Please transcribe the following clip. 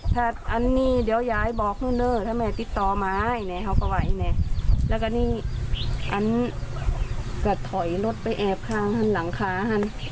ถ้าแม่ติดต่อมาให้เนี่ยเขาก็ไหวเนี่ยแล้วก็นี่อันก็ถอยรถไปแอบข้างฮันหลังคาฮัน